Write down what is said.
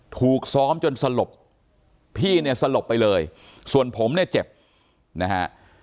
ถูกซ้อมจนสลบพี่เนี่ยสลบไปเลยส่วนผมเนี่ยเจ็บนะฮะ